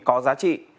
có giá trị